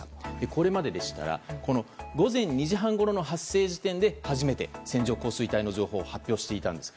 これまででしたら午前２時半ごろの発生時点で初めて線状降水帯の情報を発表していたんです。